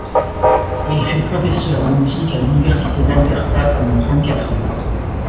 Il fut professeur de musique à l'Université d'Alberta pendant trente-quatre ans.